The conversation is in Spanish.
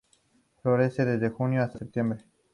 Florece desde julio hasta septiembre.